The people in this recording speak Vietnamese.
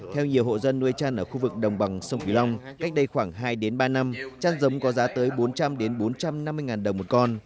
theo nhiều hộ dân nuôi chăn ở khu vực đồng bằng sông quỳ long cách đây khoảng hai đến ba năm chăn giống có giá tới bốn trăm linh đến bốn trăm năm mươi đồng một con